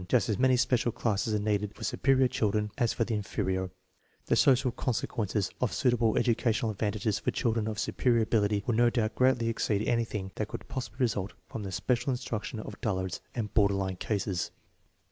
Just as many special classes are needed for su perior children as for the inferior. The social consequences INTELLIGENCE QUOTIENTS ANALYZED 75 of suitable educational advantages for children of superior ability would no doubt greatly exceed anything that could possibly result from the special instruction of dullards and border line cases.